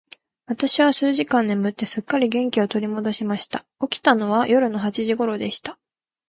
私は数時間眠って、すっかり元気を取り戻しました。起きたのは夜の八時頃でした。